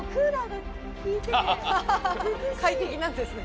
快適なんですね。